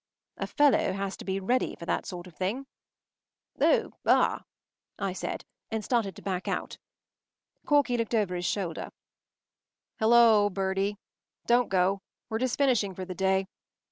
A fellow has to be ready for that sort of thing. “Oh, ah!” I said, and started to back out. Corky looked over his shoulder. “Halloa, Bertie. Don’t go. We’re just finishing for the day.